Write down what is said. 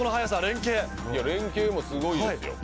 連携もすごいですよ。